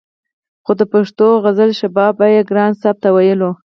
خو د پښتو غزل شباب به يې ګران صاحب ته ويلو